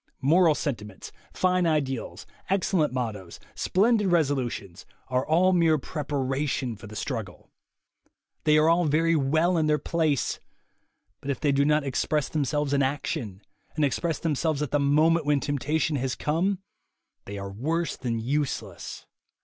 Moral sentiments, fine ideals, excellent mottoes, splendid resolutions, are all mere preparation for the struggle. They are all very well in their place, but if they do not express themselves in action, and express themselves at the moment when temptation has come, they are worse than useless.